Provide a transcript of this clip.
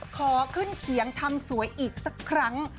ขอขึ้นเขียงทำสวยอีกสักครั้ง